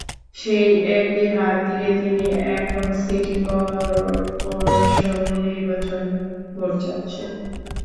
সেই একই হাত দিয়ে তিনি এখন সিটি করপোরেশন নির্বাচনে ভোট চাচ্ছেন।